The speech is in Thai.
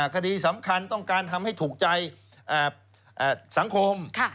คดีสำคัญต้องการทำให้ถูกใจสังคม